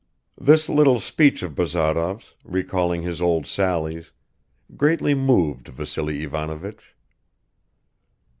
This little speech of Bazarov's, recalling his old sallies, greatly moved Vassily Ivanovich.